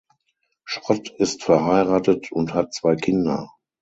Schrott ist verheiratet und hat zwei Kinder.